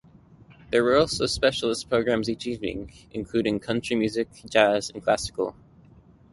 There were also specialist programmes each evening, including Country Music, Jazz, and Classical.